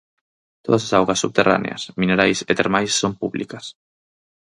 Todas as augas subterráneas, minerais e termais son públicas.